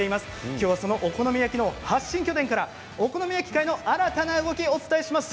きょうは、そのお好み焼きの発信拠点からお好み焼き界の新たな動きをご紹介します。